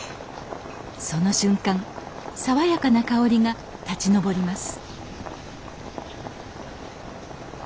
その瞬間爽やかな香りが立ち上ります